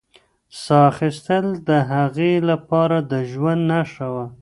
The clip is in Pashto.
ساه اخیستل د هغې لپاره د ژوند نښه وه.